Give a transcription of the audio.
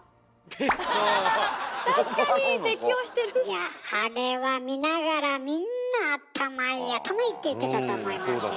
いやあれは見ながらみんな「頭いい頭いい」って言ってたと思いますよ。